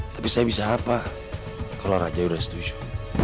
tapi saya bisa apa kalau raja sudah setuju